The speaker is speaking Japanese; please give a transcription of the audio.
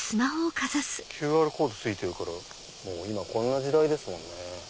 ＱＲコードついてるから今こんな時代ですもんね。